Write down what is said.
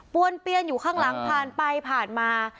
วนเปี้ยนอยู่ข้างหลังผ่านไปผ่านมา